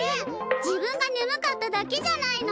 自分がねむかっただけじゃないの？